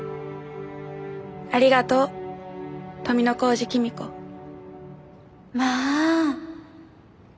ありがとう富小路公子まああ。